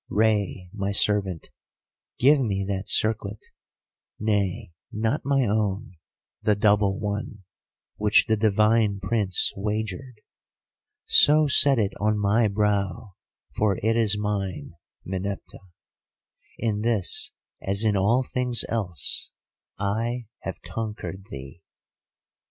Rei, my servant, give me that circlet; nay, not my own, the double one, which the divine Prince wagered. So set it on my brow, for it is mine, Meneptah. In this, as in all things else, I have conquered thee.